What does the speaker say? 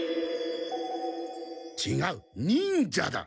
ちがう忍者だ。